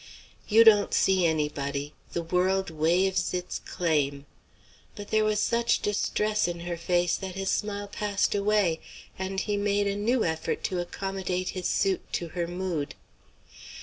"You don't see anybody; the world waives its claim." But there was such distress in her face that his smile passed away, and he made a new effort to accommodate his suit to her mood.